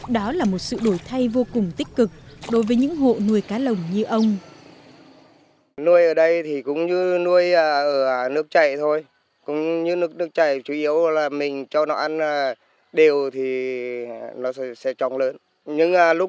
đó là một sự đổi thay vô cùng tích cực đối với những hộ nuôi cá lồng như ông